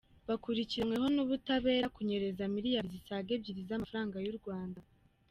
Bakurikiranyweho n’ubutabera kunyereza miliyari zisaga ebyiri z’amafaranga y’u Rwanda.